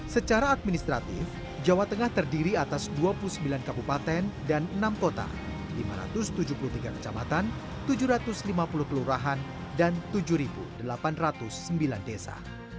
secara administratif jawa tengah terdiri atas dua puluh sembilan kabupaten dan enam kota lima ratus tujuh puluh tiga kecamatan tujuh ratus lima puluh kelurahan dan tujuh delapan ratus sembilan desa